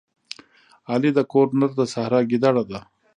علي د کور نر د سحرا ګیدړه ده.